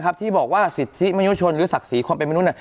รับชีวิตมินุชนหรือศักดิ์ศีลความเป็นมนุษย์